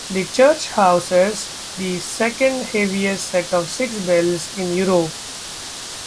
The church houses the second heaviest set of six bells in Europe.